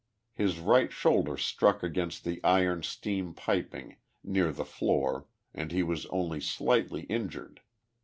His right shoulder struck against the iron steam piping, near the flooi , and he was only slightly injured.